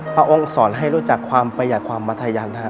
พระองค์สอนให้รู้จักความประหยะและความมัทยัน